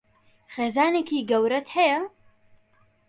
خێزانێکی گەورەت هەیە؟